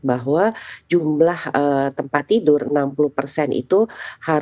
bahwa jumlah tempat tidur enam puluh itu harus didedikasikan